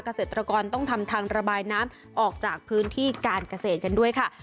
เกษตรกรต้องทำทางระบายน้ำออกจากพื้นที่การเกษตรกันด้วยค่ะ